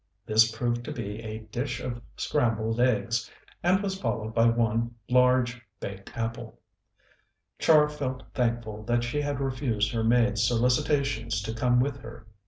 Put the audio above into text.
This proved to be a dish of scrambled eggs, and was followed by one large baked apple. Char felt thankful that she had refused her maid's solicitations to come with her.